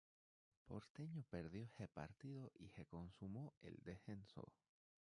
Porteño perdió ese partido y se consumó el descenso.